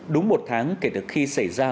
đúng một tháng kể từ khi xảy ra